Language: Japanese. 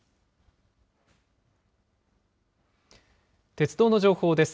鉄道の情報です。